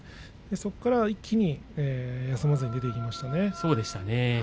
そこから一気に休まずに出ていきましたね。